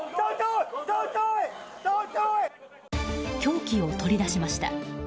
凶器を取り出しました。